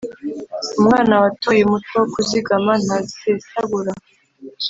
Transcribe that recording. Umwana watoye umuco wo kuzigama, ntasesagura